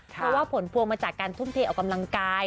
เพราะว่าผลพวงมาจากการทุ่มเทออกกำลังกาย